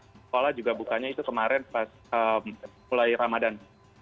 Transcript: sekolah juga bukanya itu kemarin pas mulai ramadhan